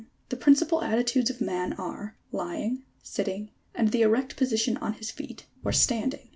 80. The principal attitudes of man are : lying, sitting, and the erect position on his feet, or standing.